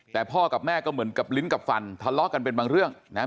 แต่พ่อกับแม่ก็เหมือนกับลิ้นกับฟันทะเลาะกันเป็นบางเรื่องนะฮะ